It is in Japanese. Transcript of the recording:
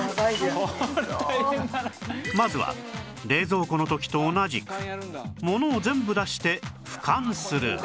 まずは冷蔵庫の時と同じくものを全部出して俯瞰する